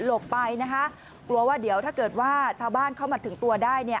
ไปนะคะกลัวว่าเดี๋ยวถ้าเกิดว่าชาวบ้านเข้ามาถึงตัวได้เนี่ย